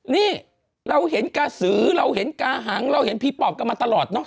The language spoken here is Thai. นี่เราเห็นกระสือเราเห็นกาหังเราเห็นผีปอบกันมาตลอดเนอะ